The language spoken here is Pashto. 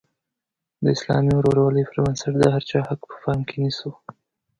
د اسلامي ورورولۍ پر بنسټ د هر چا حق په پام کې ونیسو.